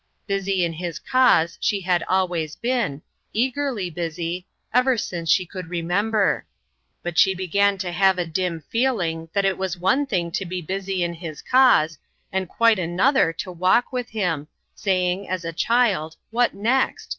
Busy in his cause she had always been, eagerly busy, ever since she could re member; but she began to have a dim feel ing that it was one thing to be busy in his I5O INTERRUPTED. cause, and quite another to walk with him, saying, as a child, " What next